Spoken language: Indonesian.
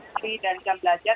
hari dan jam belajar